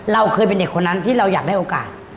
เราเคยเป็นเด็กคนนั้นที่เราอยากได้โอกาส